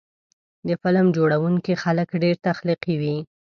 د فلم جوړوونکي خلک ډېر تخلیقي وي.